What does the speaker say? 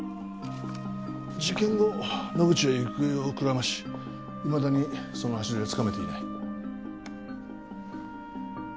事件後野口は行方をくらましいまだにその足取りはつかめていない。